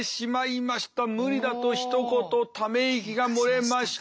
無理だとひと言ため息が漏れました。